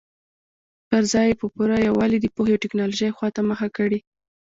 پر ځای یې په پوره یووالي د پوهې او ټکنالوژۍ خواته مخه کړې.